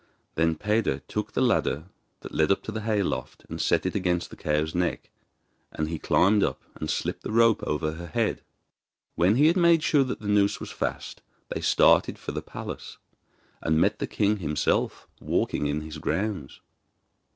Then Peder took the ladder that led up to the hayloft and set it against the cow's neck, and he climbed up and slipped the rope over her head. When he had made sure that the noose was fast they started for the palace, and met the king himself walking in his grounds.